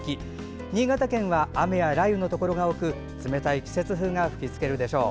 新潟県は雨や雷雨のところが多く冷たい季節風が吹きつけるでしょう。